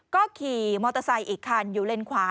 ก็ขี่มอเตอร์ไซค์อีกคันอยู่เลนขวา